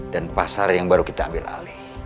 dan pasar yang baru kita ambil alih